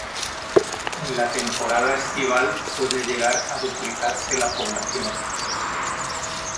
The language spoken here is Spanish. En la temporada estival puede llegar a duplicarse la población.